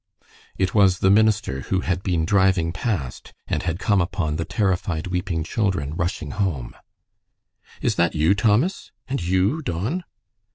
It was the minister, who had been driving past and had come upon the terrified, weeping children rushing home. "Is that you, Thomas? And you, Don?"